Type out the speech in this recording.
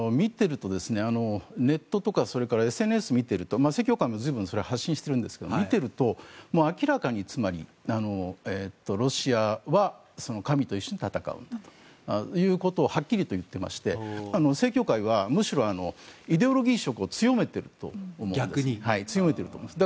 ネットとかそれからＳＮＳを見ていると正教会も随分、発信しているんですが見ていると、明らかにロシアは神と一緒に戦うんだということをはっきりと言っていまして正教会はむしろイデオロギー色を強めていると思います。